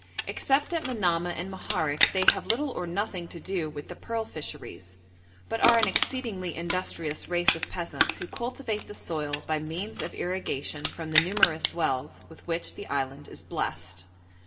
Except at Manamah and Moharek they have little or nothing to do with the pearl fisheries, but are an exceedingly industrious race of peasants who cultivate the soil by means of irrigation from the numerous wells with which the island is blessed.